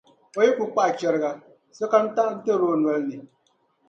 O yi kuli kpahi chɛriga, so kam taɣintirila o nolini.